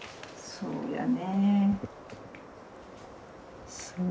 そうやね。